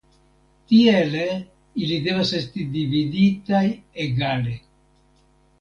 Tiele ili devas esti dividitaj egale.